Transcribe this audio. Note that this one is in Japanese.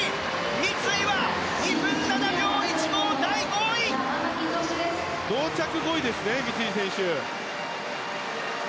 三井は２分７秒１５、第５位！同着５位ですね三井選手。